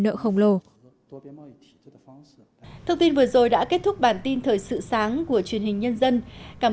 nợ khổng lồ thông tin vừa rồi đã kết thúc bản tin thời sự sáng của truyền hình nhân dân cảm